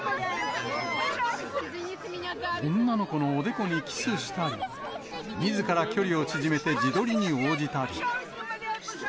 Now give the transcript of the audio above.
女の子のおでこにキスしたり、みずから距離を縮めて自撮りに応じたり。